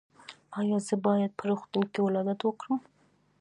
ایا زه باید په روغتون کې ولادت وکړم؟